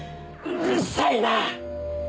うるさいな！